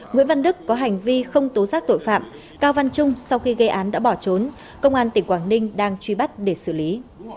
nguyễn văn đức có hành vi không tố giác tội phạm cao văn trung sau khi gây án đã bỏ trốn công an tỉnh quảng ninh đang truy bắt để xử lý